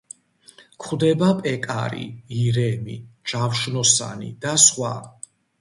გვხვდება პეკარი, ირემი, ჯავშნოსანი და სხვა.